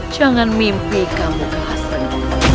jangan mimpi kamu ke hasten